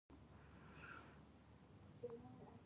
تاریخ د قهرمانانو کور دی.